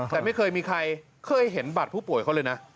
แต่ไม่เคยมีใครเคยเห็นบัตรผู้ป่วยเขาเลยนะ